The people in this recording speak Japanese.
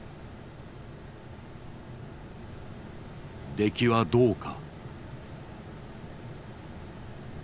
出来はどうか。